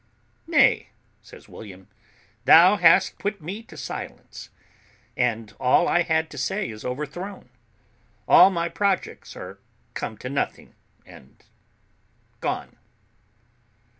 "Nay," says William, "thou hast put me to silence, and all I had to say is overthrown; all my projects are come to nothing, and gone."